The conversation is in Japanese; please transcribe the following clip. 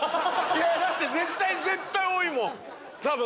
だって絶対絶対多いもん多分。